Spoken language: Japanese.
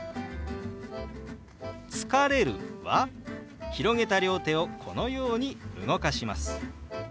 「疲れる」は広げた両手をこのように動かします。